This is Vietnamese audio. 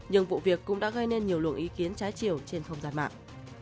nhưng vụ việc cũng đã gây nên nhiều lượng ý kiến trái chiều trên thông gian mạng